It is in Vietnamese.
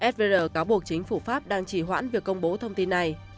fvr cáo buộc chính phủ pháp đang chỉ hoãn việc công bố thông tin này